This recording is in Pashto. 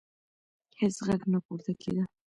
هیڅ غږ نه پورته کېده.